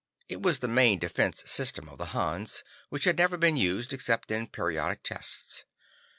It was the main defense system of the Hans, which had never been used except in periodic tests.